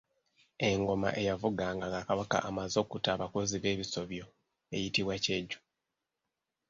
Engoma eyavuganga nga Kabaka amaze okutta abakozi b’ebisobyo eyitibwa Kyejo.